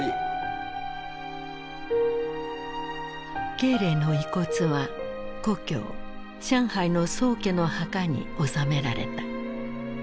慶齢の遺骨は故郷上海の宋家の墓に納められた。